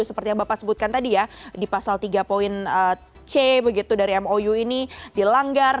seperti yang bapak sebutkan tadi ya di pasal tiga poin c begitu dari mou ini dilanggar